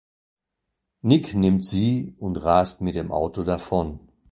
Nick nimmt sie und rast mit dem Auto davon.